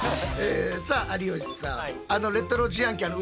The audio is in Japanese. さあ有吉さん